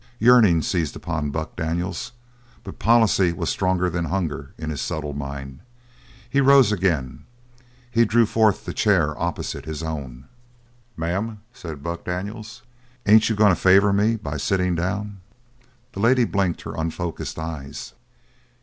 Yearning seized upon Buck Daniels, but policy was stronger than hunger in his subtle mind. He rose again; he drew forth the chair opposite his own. "Ma'am," said Buck Daniels, "ain't you going to favor me by sittin' down?" The lady blinked her unfocused eyes.